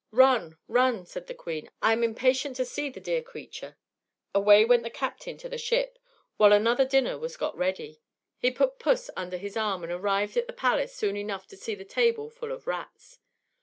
"Run, run!" said the Queen; "I am impatient to see the dear creature." Away went the captain to the ship, while another dinner was got ready. He put puss under his arm, and arrived at the place soon enough to see the table full of rats.